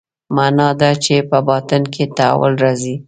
معنا دا چې په باطن کې تحول راځي.